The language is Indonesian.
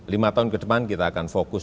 lima tahun ke depan kita akan fokus